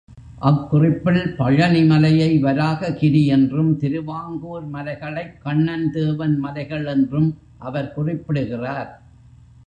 அக் குறிப்பில் பழனி மலையை வராககிரி என்றும் திருவாங்கூர் மலைகளைக் கண்ணன் தேவன் மலைகள் என்றும் அவர் குறிப்பிடுகிறார்.